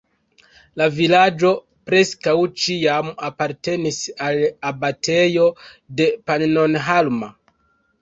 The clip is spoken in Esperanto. La vilaĝo preskaŭ ĉiam apartenis al abatejo de Pannonhalma.